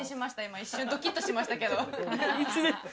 一瞬、ドキッとしましたけど。